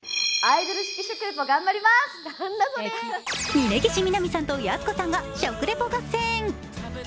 峯岸みなみさんとやす子さんが食リポ合戦。